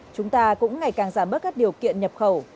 chúng ta cũng ngày càng giảm bớt các điều kiện nhập khẩu